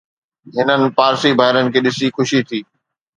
هنن پارسي ڀائرن کي ڏسي خوشي ٿي